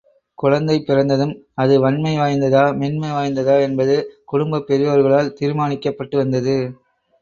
குழந்தை பிறந்ததும், அது வன்மை வாய்ந்ததா, மென்மை வாய்ந்ததா என்பது குடும்பப் பெரியோர்களால் தீர்மானிக்கப்பட்டுவந்தது.